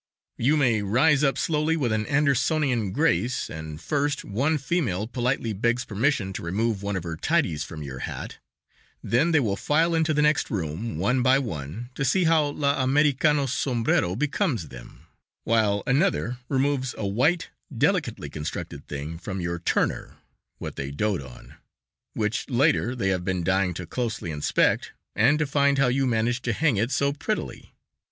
You may rise up slowly with an Andersonian grace and first one female politely begs permission to remove one of her tidies from your hat; then they will file into the next room, one by one, to see how La Americanos' sombrero becomes them, while another removes a white, delicately constructed thing from your "tournure" (what they dote on), which latter they have been dying to closely inspect, and to find how you manage to have it hang so prettily.